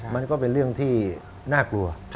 มันก็เป็นเรื่องที่น่ากลัว